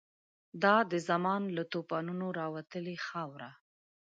دا د زمان له توپانونو راوتلې خاوره